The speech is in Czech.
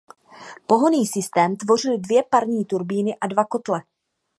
Pohonný systém tvořily dvě parní turbíny a dva kotle.